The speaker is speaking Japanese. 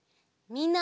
みんな。